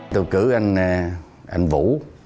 tôi cử anh vũ